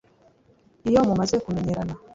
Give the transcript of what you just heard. iyo mumaze kumenyerana